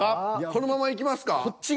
このままいきますか？